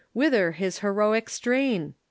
wither his heroic strain ?